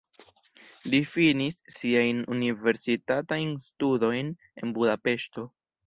Li finis siajn universitatajn studojn en Budapeŝto.